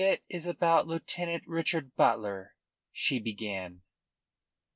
"It is about Lieutenant Richard Butler," she began.